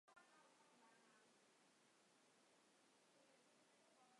此徽章也是英国国徽左下的组成部分。